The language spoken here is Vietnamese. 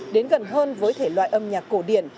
đến gần hơn với thể loại âm nhạc cổ điển